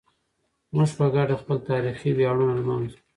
موږ په ګډه خپل تاریخي ویاړونه لمانځو.